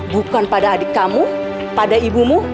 bukan pada adik kamu pada ibumu